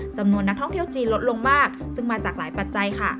จำนวนนักท่องเที่ยวจีนลดลงมากซึ่งมาจากหลายปัจจัยค่ะ